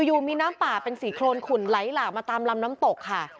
อยู่มีน้ำป่าเป็นสี่โครนขุ่นไหลหลากมาตามลำน้ำตกค่ะ